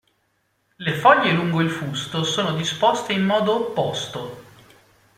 Le foglie lungo il fusto sono disposte in modo opposto.